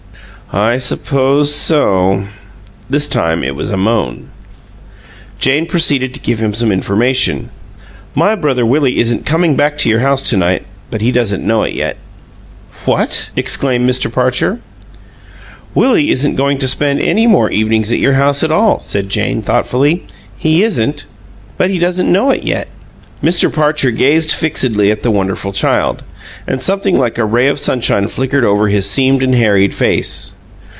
"I suppose so." This time it was a moan. Jane proceeded to give him some information. "My brother Willie isn't comin' back to your house to night, but he doesn't know it yet." "What!" exclaimed Mr. Parcher. "Willie isn't goin' to spend any more evenings at your house at all," said Jane, thoughtfully. "He isn't, but he doesn't know it yet." Mr. Parcher gazed fixedly at the wonderful child, and something like a ray of sunshine flickered over his seamed and harried face.